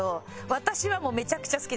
私はもうめちゃくちゃ好きで。